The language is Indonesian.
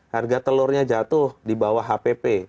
harga telurnya jatuh di bawah hpp